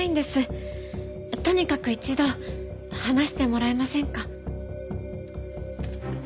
とにかく一度話してもらえませんか？